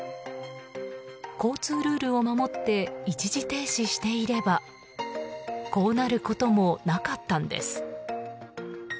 交通ルールを守って一時停止していればこうなることもなかったんです。